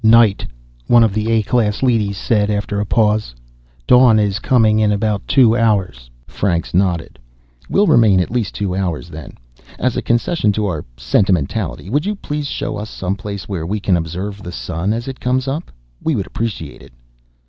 "Night," one of the A class leadys said, after a pause. "Dawn is coming in about two hours." Franks nodded. "We'll remain at least two hours, then. As a concession to our sentimentality, would you please show us some place where we can observe the Sun as it comes up? We would appreciate it."